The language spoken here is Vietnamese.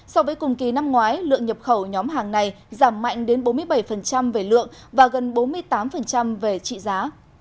so với cùng kỳ năm ngoái lượng nhập khẩu nhóm hàng này giảm mạnh đến bốn mươi bảy về lượng và gần bốn mươi tám về trị giá